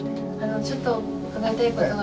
ちょっと伺いたいことが。